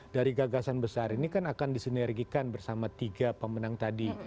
dari gagasan besar ini kan akan disinergikan bersama tiga pemenang tadi